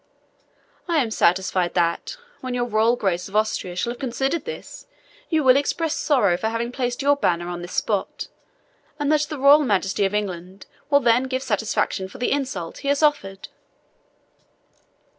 I am satisfied that, when your royal grace of Austria shall have considered this, you will express sorrow for having placed your banner on this spot, and that the royal Majesty of England will then give satisfaction for the insult he has offered."